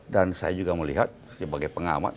dan saya juga melihat sebagai pengamat